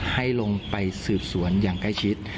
ให้ลงไปสืบสวนอย่างใกล้ชิด